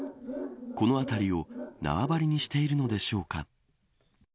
この辺りを縄張りにしているのでしょうか。